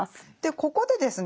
ここでですね